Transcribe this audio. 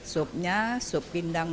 supnya sup pindang